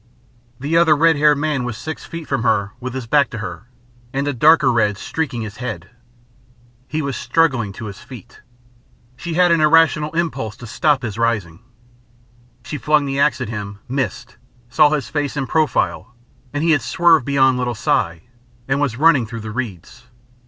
The other red haired man was six feet from her with his back to her, and a darker red streaking his head. He was struggling to his feet. She had an irrational impulse to stop his rising. She flung the axe at him, missed, saw his face in profile, and he had swerved beyond little Si, and was running through the reeds.